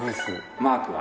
マークは？